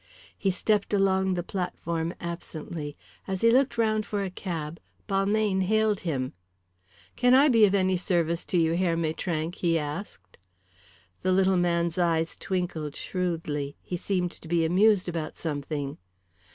He stepped along the platform absently. As he looked round for a cab, Balmayne hailed him. "Can I be of any service to you, Herr Maitrank?" he asked. The little man's eyes twinkled shrewdly. He seemed to be amused about something.